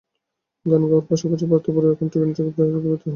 গান গাওয়ার পাশাপাশি পার্থ বড়ুয়া এখন টিভি নাটকে প্রায় নিয়মিত অভিনয় করছেন।